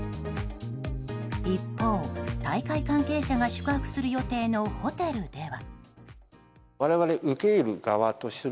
一方、大会関係者が宿泊する予定のホテルでは。